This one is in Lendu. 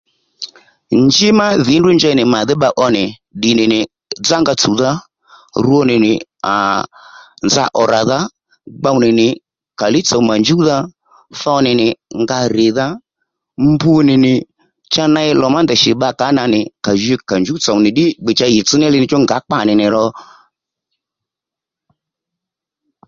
Njí ma dhì ní ndrǔ njey nì màdhí bba ó nì ddìnì dzánga tsùwdha rwo nì nì aa nza ò ràdha gbow nì nì kalí tsò mà njúwdha tho nì nì nga rrìdha mbu nì nì cha ney lò má ndèy shì bbakà ó nà nì kà jǐ kà njúw tsòw nì ddí gbe cha ɦìytss ní li djú ngǎ kpânì nì ro